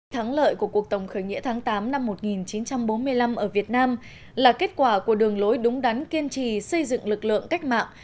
thắng lợi của cuộc tổng khởi nghĩa tháng tám năm một nghìn chín trăm bốn mươi năm ở việt nam là kết quả của đường lối đúng đắn kiên trì xây dựng lực lượng cách mạng